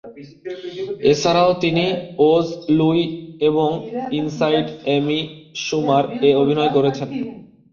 এছাড়াও তিনি "Oz", "Louie" এবং "ইনসাইড এমি শুমার"-এ অভিনয় করেছেন।